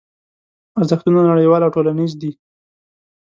ارزښتونه نړیوال او ټولنیز دي.